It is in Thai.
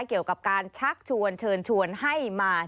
เกี่ยวกับการชักชวนเชิญชวนให้มา